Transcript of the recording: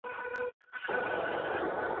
نقيب خپه شو، صرف يو غاړه مې هم ور نه کړله